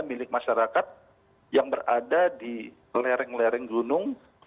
milik masyarakat yang berada di lereng lereng gunung